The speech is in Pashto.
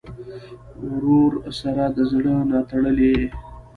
ورور سره د زړه نه تړلې یې.